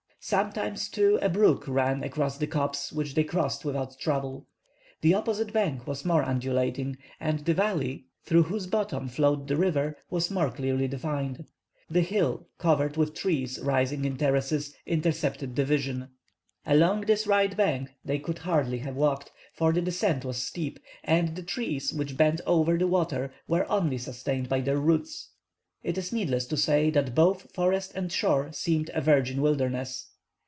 Sometimes, too, a brook ran across the copse, which they crossed without trouble. The opposite bank was more undulating, and the valley, through whose bottom flowed the river, was more clearly defined. The hill, covered with trees rising in terraces, intercepted the vision. Along this right bank they could hardly have walked, for the descent was steep, and the trees which bent over the water were only sustained by their roots. It is needless to say that both forest and shore seemed a virgin wilderness.